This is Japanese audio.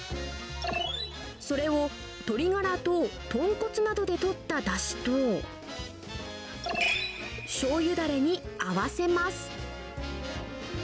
それを鶏がらと豚骨などでとっただしと、しょうゆだれに合わせます。